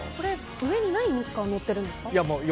上に何がのっているんですか。